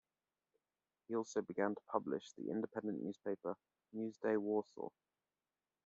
He also began to publish the independent newspaper "News Day Warsaw".